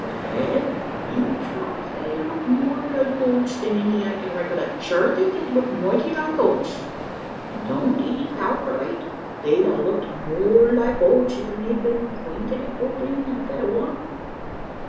"Wil, in troth, they looked more loike oats than anything I can recollect. Shure they did look moighty like oats!" "An' don't ee kalkerlate they'd a looked more like oats, ef they'd been pointed at both ends instead o' one!"